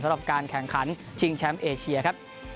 สำหรับการแข่งขันชิงแชมป์เอเชียครับ